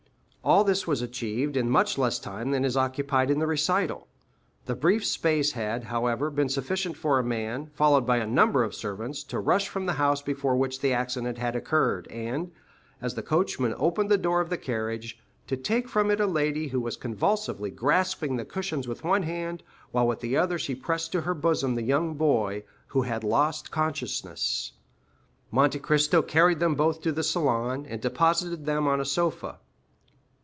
All this was achieved in much less time than is occupied in the recital. The brief space had, however, been sufficient for a man, followed by a number of servants, to rush from the house before which the accident had occurred, and, as the coachman opened the door of the carriage, to take from it a lady who was convulsively grasping the cushions with one hand, while with the other she pressed to her bosom the young boy, who had lost consciousness. Monte Cristo carried them both to the salon, and deposited them on a sofa.